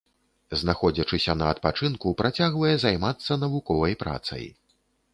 Знаходзячыся на адпачынку, працягвае займацца навуковай працай.